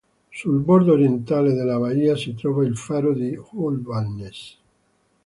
Sul bordo orientale della baia si trova il faro di Hvalnes.